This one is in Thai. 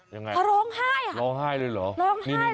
ยังไงร้องไห้ร้องไห้เลยเหรอนี่ร้องไห้